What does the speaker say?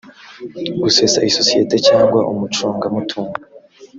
gusesa isosiyete cyangwa umucunga mutungo